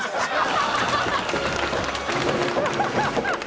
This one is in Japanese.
ハハハハ！